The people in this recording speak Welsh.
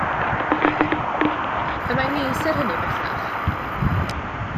Y mae mis er hynny bellach.